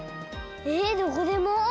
えどこでも？